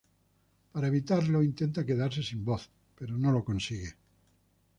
Para evitarlo, intenta quedarse sin voz, pero no lo consigue.